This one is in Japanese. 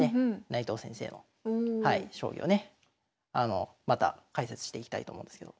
内藤先生の将棋をねまた解説していきたいと思うんですけど。